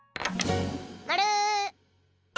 まる！